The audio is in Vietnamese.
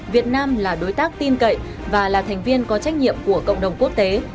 việt nam là đối tác tin cậy và là thành viên có trách nhiệm của cộng đồng quốc tế